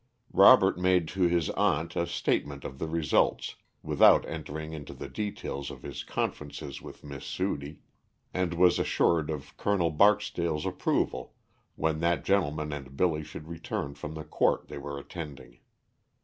Robert made to his aunt a statement of the results, without entering into the details of his conferences with Miss Sudie, and was assured of Col. Barksdale's approval when that gentleman and Billy should return from the court they were attending.